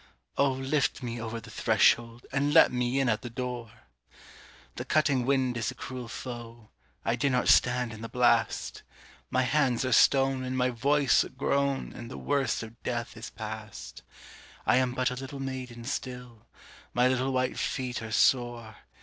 Oh, lift me over the threshold, and let me in at the door! The cutting wind is a cruel foe. I dare not stand in the blast. My hands are stone, and my voice a groan, And the worst of death is past. I am but a little maiden still, My little white feet are sore.